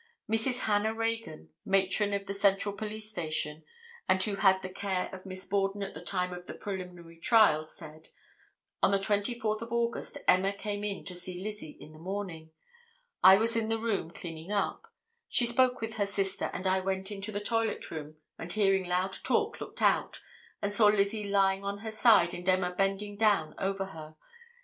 Mrs. Hannah Reagan, matron of the Central Police Station and who had the care of Miss Borden at the time of the preliminary trial said: "On the 24th of August Emma came in to see Lizzie in the morning; I was in the room, cleaning up; she spoke with her sister and I went into a toilet room and hearing loud talk, looked out and saw Lizzie lying on her side and Emma bending down over her.